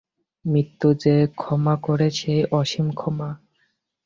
মৃত্যু যে ক্ষমা করে সেই অসীম ক্ষমা।